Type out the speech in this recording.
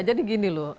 jadi gini loh